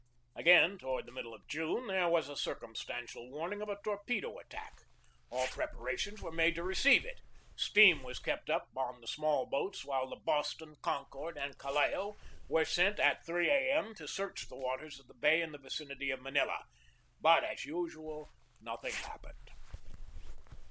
Again, toward the middle of June, there was a circumstantial warning of a torpedo attack. All preparations were made to receive it. Steam was kept up on the small boats, while the Boston, Concord, and Callao were sent at 3 A. M. to search the waters of the bay in the vicinity of Manila. But, as usual, nothing happened.